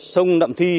sông nậm thi